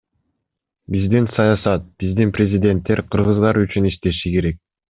Биздин саясат, биздин президенттер кыргыздар үчүн иштеши керек.